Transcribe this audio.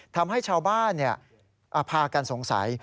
ทำให้ชาวบ้านพากันสงสัย